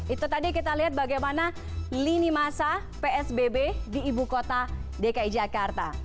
itu tadi kita lihat bagaimana lini masa psbb di ibu kota dki jakarta